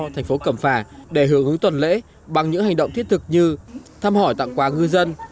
thành phố cẩm phà để hưởng ứng tuần lễ bằng những hành động thiết thực như thăm hỏi tặng quà ngư dân